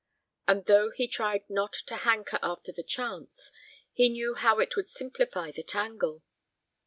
And though he tried not to hanker after the chance, he knew how it would simplify the tangle.